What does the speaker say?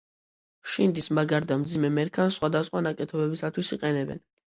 შინდის მაგარ და მძიმე მერქანს სხვადასხვა ნაკეთობისათვის იყენებენ.